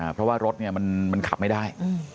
เพราะว่ารถมันขับไม่ได้